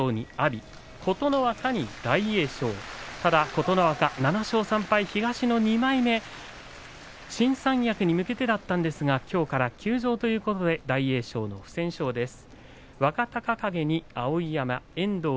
琴ノ若、７勝３敗東の２枚目新三役に向けてだったんですがきょうから休場ということで大栄翔の不戦勝です。